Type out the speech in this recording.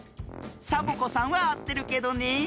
サボ子さんはあってるけどねえ。